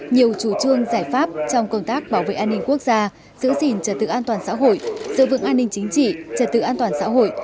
nhiều chủ trương giải pháp trong công tác bảo vệ an ninh quốc gia giữ gìn trật tự an toàn xã hội giữ vững an ninh chính trị trật tự an toàn xã hội